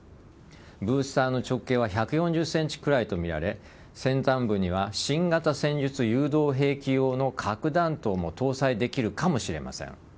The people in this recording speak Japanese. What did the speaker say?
ブースターの直径は１４０ｃｍくらいとみられ先端部には新型戦術誘導兵器用の核弾頭も搭載できるかもしれません。